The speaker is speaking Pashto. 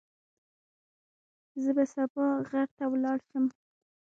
زه به سبا غر ته ولاړ شم.